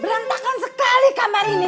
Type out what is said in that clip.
berantakan sekali kamar ini